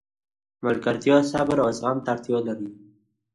ملګرتیا صبر او زغم ته اړتیا لري.